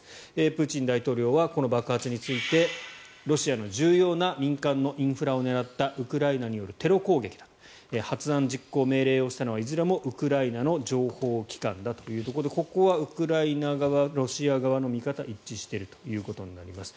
プーチン大統領はこの爆発についてロシアの重要な民間のインフラを狙ったウクライナによるテロ攻撃だ発案、実行、命令をしたのはいずれもウクライナの情報機関だということでここはウクライナ側、ロシア側の見方一致しているということになります。